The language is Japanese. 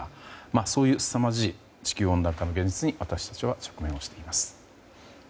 そういうすさまじい地球温暖化の現実に私たちは直面しています。